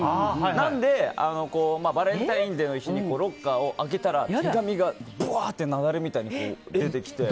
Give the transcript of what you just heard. なので、バレンタインデーの日にロッカーを開けたら手紙がぶわーって雪崩みたいに出てきて。